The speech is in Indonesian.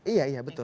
iya iya betul